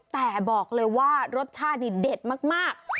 แต่บอกเลยว่ารสชาตินี่เด็ดมาก